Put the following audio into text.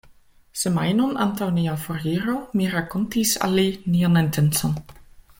Semajnon antaŭ nia foriro mi rakontis al li nian intencon.